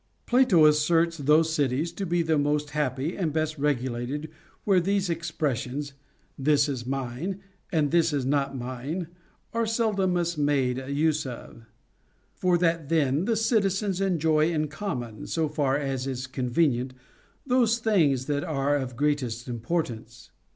Plato asserts those cities to be the most happy and best regulated where these expressions, " This is mine," CONJUGAL PRECEPTS. 49tf " This is not mine," are seldomest made use of. For that then the citizens enjoy in common, so far as is convenient, those things that are of greatest importance.